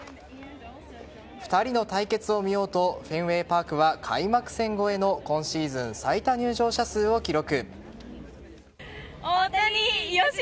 ２人の対決を見ようとフェンウェイパークは開幕戦超えの今シーズン最多入場者数を記録。